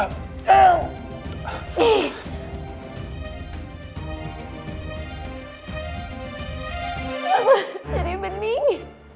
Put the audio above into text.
aku harus cari mending